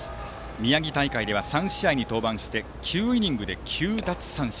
宮城大会では３試合に登板し９イニングで９奪三振。